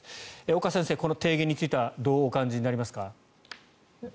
岡先生、この提言についてはどうお感じになりますか？